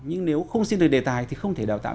nhưng nếu không xin được đề tài thì không thể đào tạo